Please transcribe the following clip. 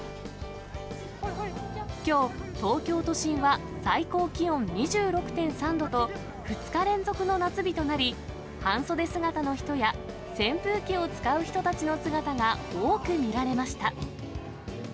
きょう、東京都心は最高気温２６．３度と、２日連続の夏日となり、半袖姿の人や、扇風機を使う人たちの姿が多く見られました。